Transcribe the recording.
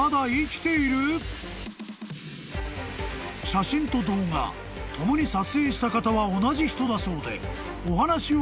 ［写真と動画共に撮影した方は同じ人だそうでお話を伺うことに］